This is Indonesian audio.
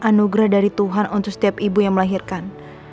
anugerah dari tuhan untuk setiap ibu yang melahirkan